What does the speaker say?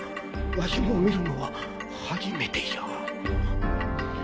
わしも見るのは初めてじゃ。